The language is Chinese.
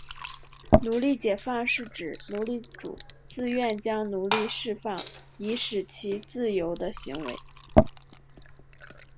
奴隶解放是指奴隶主自愿将奴隶释放以使其自由的行为。